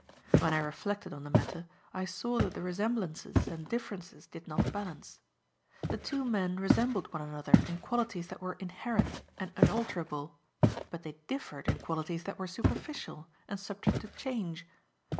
When I reflected on the matter, I saw that the resemblances and differences did not balance. The two men resembled one another in qualities that were inherent and unalterable, but they differed in qualities that were superficial and subject to change.